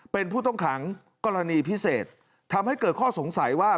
เป็นผู้ต้องขังกรณีพิเศษทำให้เกิดข้อสงสัยว่า